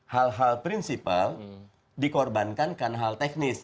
hal hal prinsipal dikorbankan karena hal teknis